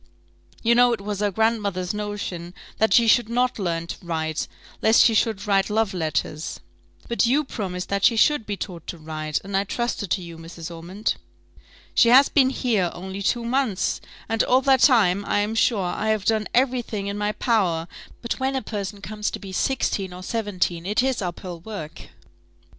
You know it was her grandmother's notion that she should not learn to write, lest she should write love letters." "But you promised that she should be taught to write, and I trusted to you, Mrs. Ormond." "She has been here only two months, and all that time, I am sure, I have done every thing in my power; but when a person comes to be sixteen or seventeen, it is up hill work."